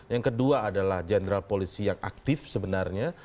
yang kedua adalah general policy yang aktif sebenarnya